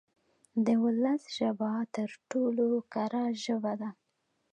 د ولس ژبه تر ټولو کره ژبه ده.